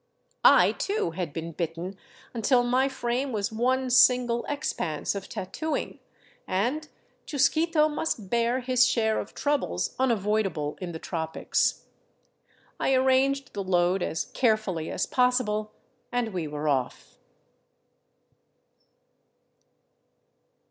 I, too, had been bitten, until my frame was one single ex panse of tattooing; and Chusquito must bear his share of troubles unavoidable in the tropics. I arranged the load as carefully as pos sible, and we were off.